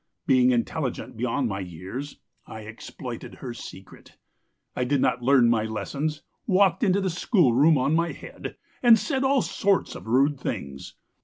Being intelligent beyond my years I exploited her secret: I did not learn my lessons, walked into the schoolroom on my head, and said all sorts of rude things.